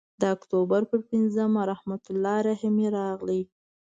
د اکتوبر پر پینځمه رحمت الله رحمتي راغی.